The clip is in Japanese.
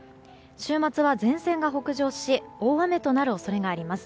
週末は前線が北上し大雨となる恐れがあります。